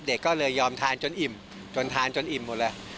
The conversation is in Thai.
เด็กก็เลยยอมทานจนอิ่มจนทานจนอิ่มหมดเลย